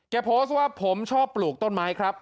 โพสต์ว่าผมชอบปลูกต้นไม้ครับ